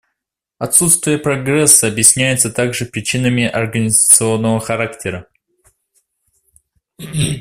Отсутствие прогресса объясняется также причинами организационного характера.